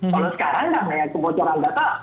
kalau sekarang namanya kebocoran data